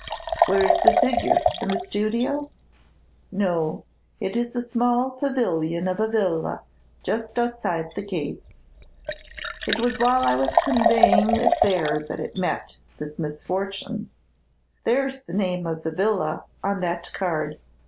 "Where is the figure, in the studio?" "No; it is in a small pavilion of a villa just outside the gates. It was while I was conveying it there it met this misfortune. There's the name of the villa on that card.